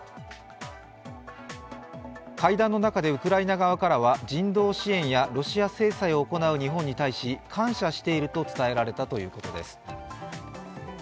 会談の中でウクライナ側からは人道支援やロシア制裁を行う日本に対し、感謝していると伝えられたということです。